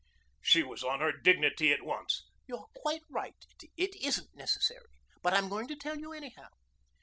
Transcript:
She was on her dignity at once. "You're quite right. It isn't necessary. But I'm going to tell you anyhow.